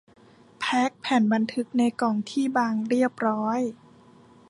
แพ็คแผ่นบันทึกในกล่องที่บางเรียบร้อย